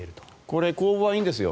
これ、公募はいいんですよ